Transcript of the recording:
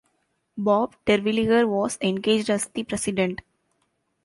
Bob Terwilliger was engaged as the President.